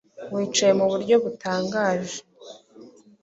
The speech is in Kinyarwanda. wicaye mu buryo butangaje